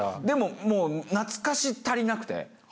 でももう懐かし足りなくて。